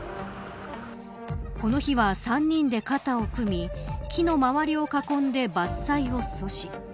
この日は、３人で肩を組み木の周りを囲んで伐採を阻止。